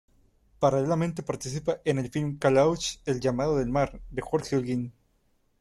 Paralelamente participa en el film "Caleuche: El llamado del mar" de Jorge Olguín.